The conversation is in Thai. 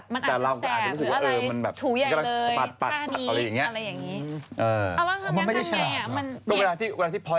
มันอัศตรีหรือว่าถูใหญ่เลยตั้งมาเนี้ย